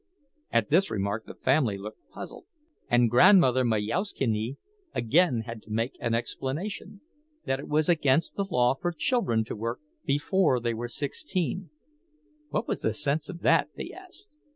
At this remark the family looked puzzled, and Grandmother Majauszkiene again had to make an explanation—that it was against the law for children to work before they were sixteen. What was the sense of that? they asked.